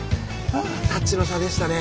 タッチの差でしたね。